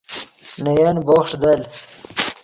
نے ین بوخݰ دل